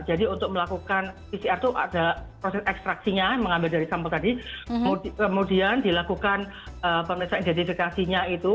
jadi untuk melakukan pcr itu ada proses ekstraksinya mengambil dari sampel tadi kemudian dilakukan pemeriksaan identifikasinya itu